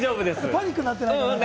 パニックになってない？